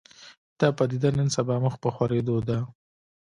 دا پدیده نن سبا مخ په خورېدو ده